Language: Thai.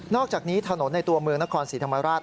อกจากนี้ถนนในตัวเมืองนครศรีธรรมราช